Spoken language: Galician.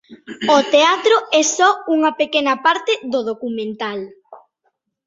O teatro é só unha pequena parte do documental.